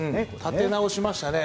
立て直しましたね。